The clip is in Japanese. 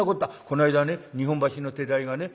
この間ね日本橋の手代がね